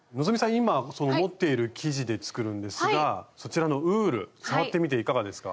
今その持っている生地で作るんですがそちらのウール触ってみていかがですか？